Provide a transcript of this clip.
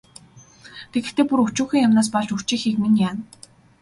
Тэгэхдээ бүр өчүүхэн юмнаас болж үрчийхийг минь яана.